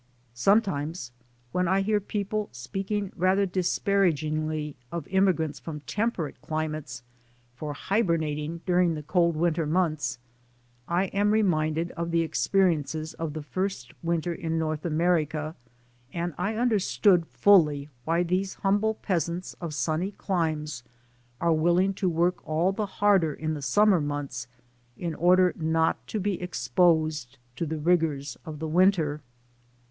Sometimes when I hear people speak ing rather disparagingly of immigrants from tem perate climates for hibernating during the cold winter months, I am reminded of the experiences of IN THE AMERICAN STORM 97 the first winter in North America and I understand fully why these humble peasants of sunny climes are willing to work all the harder in the summer months in order not to be exposed to the rigors of the winter.